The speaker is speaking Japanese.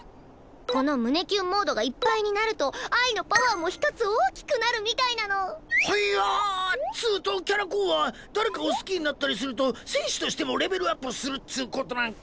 この「胸キュンモード」がいっぱいになると愛のパワーも１つ大きくなるみたいなの。はいやぁつとキャラ公は誰かを好きになったりすると戦士としてもレベルアップするっつ事なんかい？